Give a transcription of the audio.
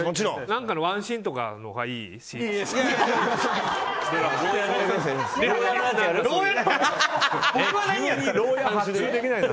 何かのワンシーンとかのほうがいい？